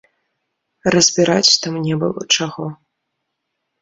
Разбіраць там не было чаго.